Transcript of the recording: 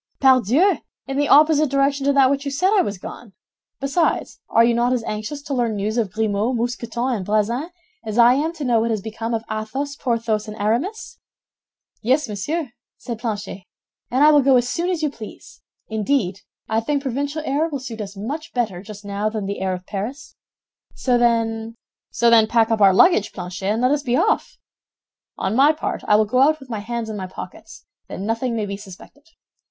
"Pardieu! In the opposite direction to that which you said I was gone. Besides, are you not as anxious to learn news of Grimaud, Mousqueton, and Bazin as I am to know what has become of Athos, Porthos, and Aramis?" "Yes, monsieur," said Planchet, "and I will go as soon as you please. Indeed, I think provincial air will suit us much better just now than the air of Paris. So then—" "So then, pack up our luggage, Planchet, and let us be off. On my part, I will go out with my hands in my pockets, that nothing may be suspected.